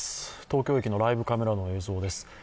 東京駅のライブカメラの映像です。